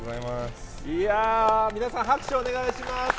いやー、皆さん、拍手をお願いします。